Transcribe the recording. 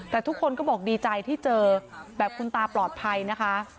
แต่ทุกคนก็บอกดีใจที่เจอแบบคุณตาปลอดภัยนะคะ